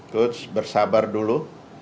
coach bersabar dulu